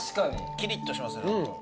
キリッとしますね。